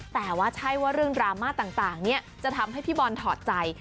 แต่ว่าใช่ว่าเรื่องดราม่าต่างเนี่ยจะทำให้พี่บอลถอดใจ